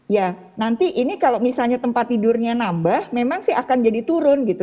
ya nanti ini kalau misalnya tempat tidurnya nambah memang sih akan jadi turun gitu